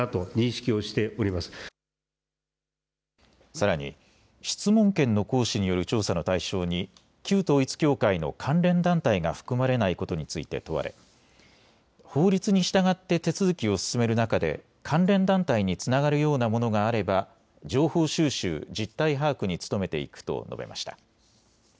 さらに質問権の行使による調査の対象に旧統一教会の関連団体が含まれないことについて問われ法律に従って手続きを進める中で関連団体につながるようなものがあれば情報収集、実態把握に努めていくと述べました。